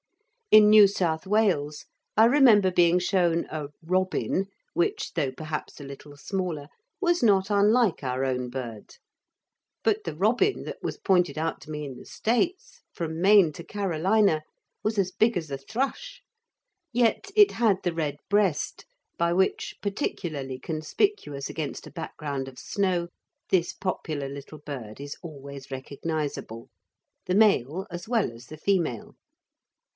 In New South Wales, I remember being shown a "robin" which, though perhaps a little smaller, was not unlike our own bird, but the "robin" that was pointed out to me in the States, from Maine to Carolina, was as big as a thrush. Yet it had the red breast, by which, particularly conspicuous against a background of snow, this popular little bird is always recognisable, the male as well as the female.